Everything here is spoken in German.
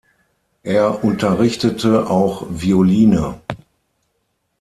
Er unterrichtete auch Violine.